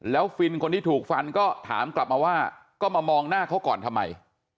แล้วฟินคนที่ถูกฟันก็ถามกลับมาว่าก็มามองหน้าเขาก่อนทำไม